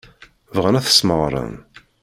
Bɣan ad t-smeɣren.